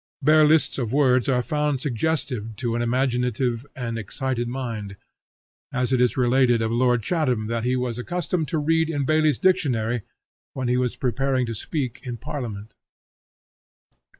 Bare lists of words are found suggestive to an imaginative and excited mind; as it is related of Lord Chatham that he was accustomed to read in Bailey's Dictionary when he was preparing to speak in Parliament.